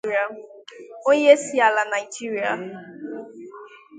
onyeisiala Nigeria